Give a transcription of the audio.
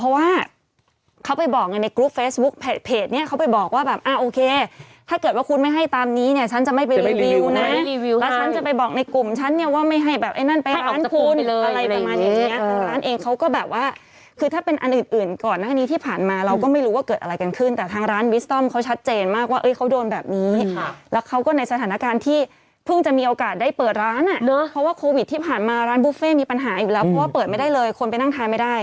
อะไรประมาณอย่างเงี้ยร้านเองเขาก็แบบว่าคือถ้าเป็นอันอื่นอื่นก่อนอันนี้ที่ผ่านมาเราก็ไม่รู้ว่าเกิดอะไรกันขึ้นแต่ทางร้านเขาชัดเจนมากว่าเอ้ยเขาโดนแบบนี้ค่ะแล้วเขาก็ในสถานการณ์ที่เพิ่งจะมีโอกาสได้เปิดร้านอ่ะเนอะเพราะว่าโควิดที่ผ่านมาร้านบูฟเฟ่มีปัญหาอยู่แล้วเพราะว่าเปิดไม่ได้เลยคนไปนั่งทานไม่